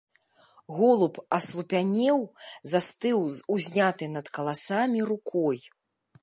Голуб аслупянеў, застыў з узнятай над каласамі рукой.